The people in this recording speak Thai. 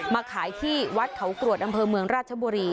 มาขายที่วัดเขากรวดอำเภอเมืองราชบุรี